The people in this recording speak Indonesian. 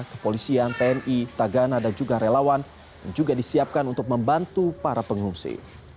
kepolisian tni tagana dan juga relawan juga disiapkan untuk membantu para pengungsi